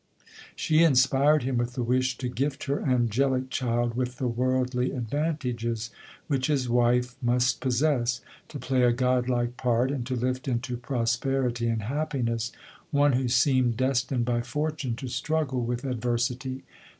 She in spired him with the wish to gift her angelic child with the worldly advantages which his wife must possess; to play a god like part, and to lift into prosperity and happiness, one who seemed des tined by fortune to struggle with adversity.